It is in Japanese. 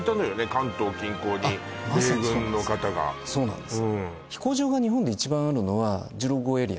関東近郊に米軍の方がそうなんです